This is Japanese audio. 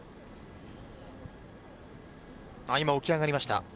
今、起き上がりました。